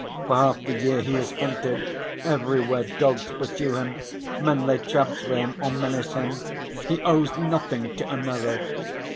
For half the year he is hunted, everywhere dogs pursue him, men lay traps for him or menace him. He owes nothing to another."